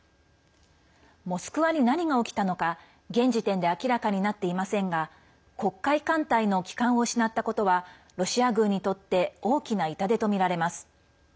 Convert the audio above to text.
「モスクワ」に何が起きたのか現時点で明らかになっていませんが黒海艦隊の旗艦を失ったことはロシア軍にとって大きな痛手とみられます。